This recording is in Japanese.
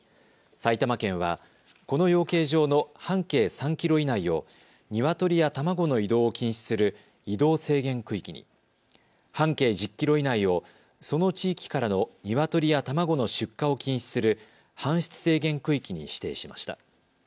埼玉県はこの養鶏場の半径３キロ以内をニワトリや卵の移動を禁止する移動制限区域に、半径１０キロ以内をその地域からのニワトリや卵の出荷を禁止する搬出制限区域に指定しました。